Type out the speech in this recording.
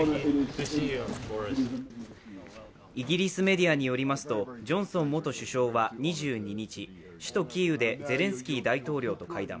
イギリスメディアによりますとジョンソン元首相は２２日首都キーウでゼレンスキー大統領と会談。